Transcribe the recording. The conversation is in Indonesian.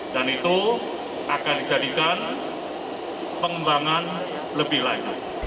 dan itu akan dijadikan pengembangan lebih lain